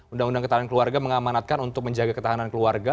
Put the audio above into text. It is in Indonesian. undang undang ketahanan keluarga mengamanatkan untuk menjaga ketahanan keluarga